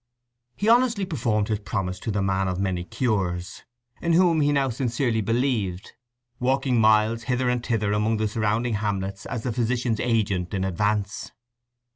He honestly performed his promise to the man of many cures, in whom he now sincerely believed, walking miles hither and thither among the surrounding hamlets as the Physician's agent in advance.